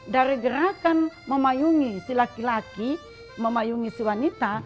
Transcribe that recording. dari gerakan memayungi si laki laki memayungi si wanita